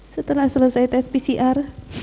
setelah selesai tes pcr